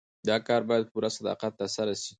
دا کار باید په پوره صداقت ترسره سي.